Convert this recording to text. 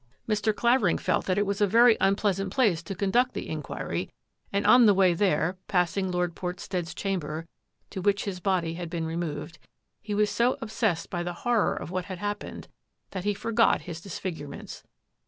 Mr. Clavering felt that it was a very unpleasant place to conduct the inquiry, and on the way there, passing Lord Portstead's chamber, to which his body had been removed, he was so obsessed by the horror of what had hap pened that he forgot his disfigurements.